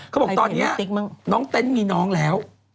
เขาบอกตอนนี้น้องเต็นต์มีน้องแล้ว